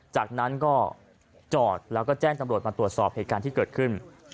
จากนั้นก็จอดแล้วก็แจ้งจำรวจมาตรวจสอบเหตุการณ์ที่เกิดขึ้น